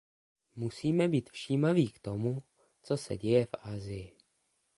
Musíme být všímaví k tomu, co se děje v Asii.